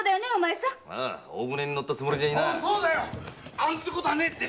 案ずることねえって！